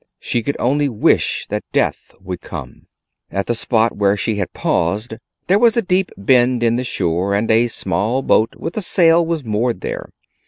She could only wish that death would come. At the spot where she had paused there was a deep bend in the shore, and a small boat with a sail was moored there.